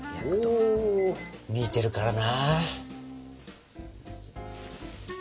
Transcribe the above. ほう見てるからな。